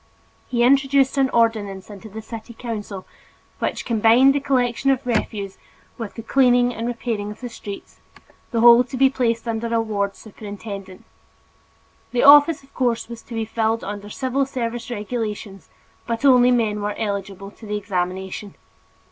He introduced an ordinance into the city council which combined the collection of refuse with the cleaning and repairing of the streets, the whole to be placed under a ward superintendent. The office of course was to be filled under civil service regulations but only men were eligible to the examination.